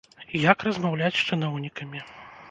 Як размаўляць з чыноўнікамі.